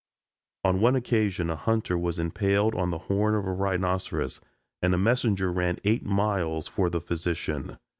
On one occasion a hunter was impaled on the horn of a rhinoceros, and a messenger ran eight miles for the physician.